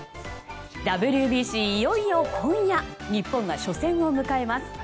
ＷＢＣ、いよいよ今夜日本が初戦を迎えます。